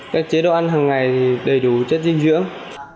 các chế độ ăn hằng ngày đầy đủ chất dinh dưỡng